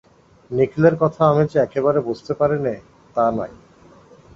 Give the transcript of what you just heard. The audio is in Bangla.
নিখিলের কথা আমি যে একেবারে বুঝতে পারি নে তা নয়।